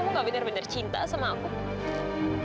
kamu gak benar benar cinta sama aku